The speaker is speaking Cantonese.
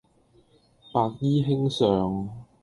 白衣卿相